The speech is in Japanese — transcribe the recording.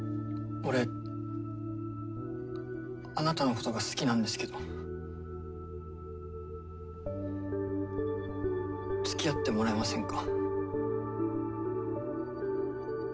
俺あなたのことが好きなんですけどつきあってもらえませんか？